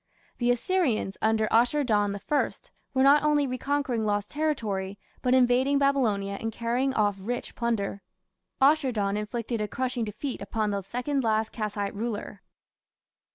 The Assyrians, under Ashur dan I, were not only reconquering lost territory, but invading Babylonia and carrying off rich plunder. Ashur dan inflicted a crushing defeat upon the second last Kassite ruler.